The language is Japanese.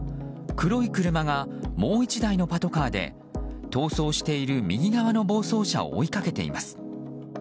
黒い車がもう１台のパトカーで逃走している右側の暴走車を追いかけています。